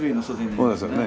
そうですよね。